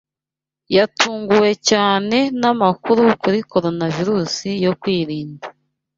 Yatunguwe cyane namakuru kuri Coronavirusi Yo kwirinda